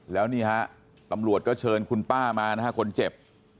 แล้วนี่ฮะตำรวจก็เชิญคุณป้ามานะฮะคนเจ็บ